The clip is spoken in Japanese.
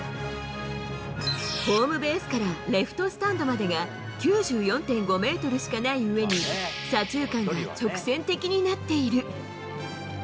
ホームベースからレフトスタンドまでが９４．５メートルしかないうえに、左中間が直線的になっている。